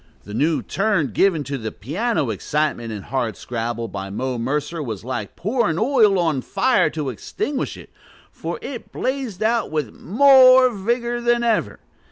The new turn given to the piano excitement in Hardscrabble by Mo Mercer was like pouring oil on fire to extinguish it, for it blazed out with more vigor than ever.